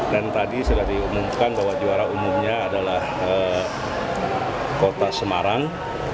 dan tadi sudah diumumkan bahwa juara umumnya adalah kota semarang